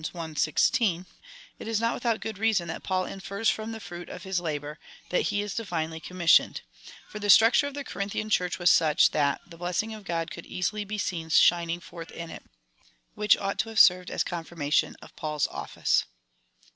16, it is not without good reason that Paul infers from the fruit of his labour, that he is divinely commissioned : for the structure of the Corinthian Church was such, that the blessing of God could easily be seen shining forth in it, which ought to have served as a confirmation of Paul's oflace.